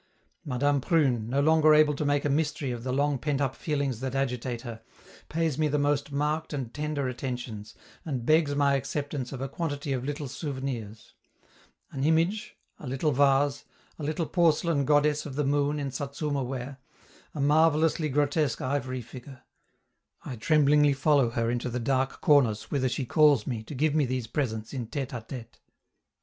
Madame Prune, no longer able to make a mystery of the long pent up feelings that agitate her, pays me the most marked and tender attentions, and begs my acceptance of a quantity of little souvenirs: an image, a little vase, a little porcelain goddess of the moon in Satsuma ware, a marvellously grotesque ivory figure; I tremblingly follow her into the dark corners whither she calls me to give me these presents in tete a tete.